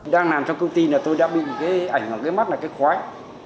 đang làm trong công ty là tôi đã bị cái ảnh hưởng cái mắt là cái khói